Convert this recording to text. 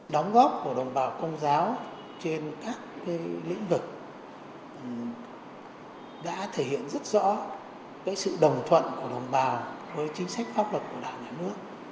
đóng góp của đồng bào công giáo trên các lĩnh vực đã thể hiện rất rõ sự đồng thuận của đồng bào với chính sách pháp luật của đảng nhà nước